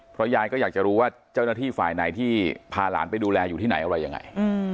เพราะยายก็อยากจะรู้ว่าเจ้าหน้าที่ฝ่ายไหนที่พาหลานไปดูแลอยู่ที่ไหนอะไรยังไง